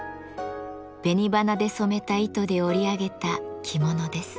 紅花で染めた糸で織り上げた着物です。